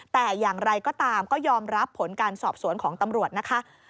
แต่อย่างไรก็ตามก็ยอมรับผลการสอบสวนของตำรวจนะคะ